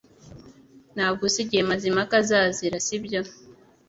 Ntabwo uzi igihe Mazimpaka azazira sibyo